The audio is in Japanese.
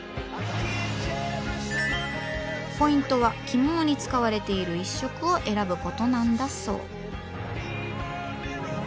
ポイントは着物に使われている一色を選ぶことなんだそう。